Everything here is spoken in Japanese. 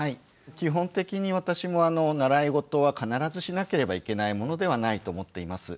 基本的に私も習いごとは必ずしなければいけないものではないと思っています。